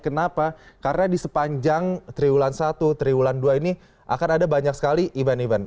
kenapa karena di sepanjang triwulan satu triwulan dua ini akan ada banyak sekali event event